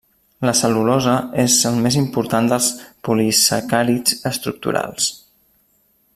La cel·lulosa és el més important dels polisacàrids estructurals.